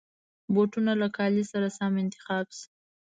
بوټونه له کالي سره سم انتخاب شي.